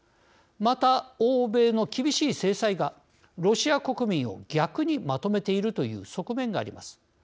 また、欧米の厳しい制裁がロシア国民を逆にまとめているという側面があります。